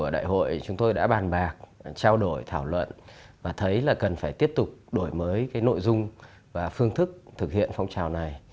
đại hội chúng tôi đã bàn bạc trao đổi thảo luận và thấy là cần phải tiếp tục đổi mới nội dung và phương thức thực hiện phong trào này